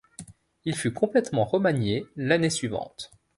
Il fut complètement remanié l'année suivante.